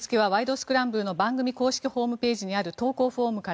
スクランブル」の番組公式ホームページにある投稿フォームから。